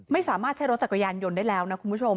ไม่สามารถใช้รถจักรยานยนต์ได้แล้วนะคุณผู้ชม